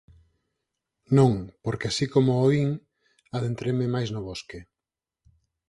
Non, porque así como o oín, adentreime máis no bosque…